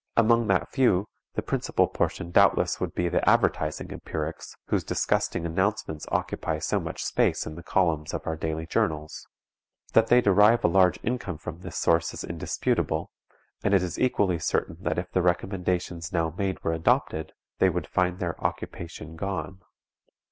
Among that few, the principal portion doubtless would be the advertising empirics whose disgusting announcements occupy so much space in the columns of our daily journals. That they derive a large income from this source is indisputable, and it is equally certain that if the recommendations now made were adopted they would find their "occupation gone."